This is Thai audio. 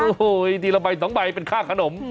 โอ้โหทีละใบ๒ใบเป็นค่าขนม